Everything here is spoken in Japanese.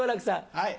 はい。